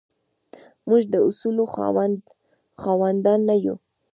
موږ د اصولو خاوندان نه یو.